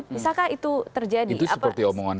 misalkan itu terjadi itu seperti omongan